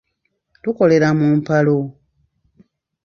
Tukolera mu mpalo.